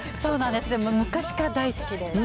でも昔から大好きで。